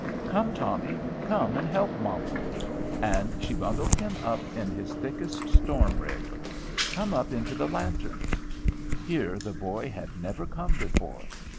"Come, Tommy, come and help mamma." And she bundled him up in his thickest storm rig. "Come up into the lantern." Here the boy had never come before.